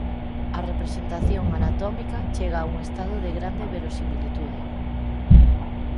A representación anatómica chega a un estado de grande verosimilitude.